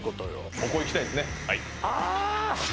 ここいきたいですね